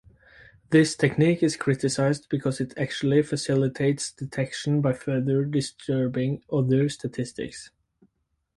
This technique is criticized because it actually facilitates detection by further disturbing other statistics.